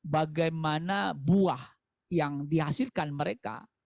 bagaimana buah yang dihasilkan mereka